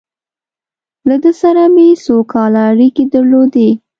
له ده سره مې څو کاله اړیکې درلودې.